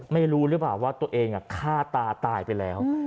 ไม่รู้หรือเปล่าว่าตัวเองฆ่าตาตายไปแล้ว